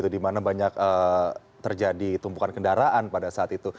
di mana banyak terjadi tumpukan kendaraan pada saat itu